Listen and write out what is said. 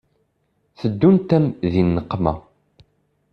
Teddunt-am di nneqma.